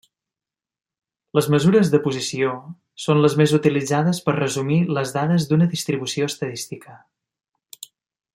Les mesures de posició són les més utilitzades per resumir les dades d'una distribució estadística.